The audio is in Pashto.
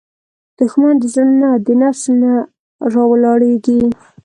دښمن د زړه نه، د نفس نه راولاړیږي